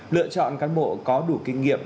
lựa chọn cán bộ có đủ kinh nghiệm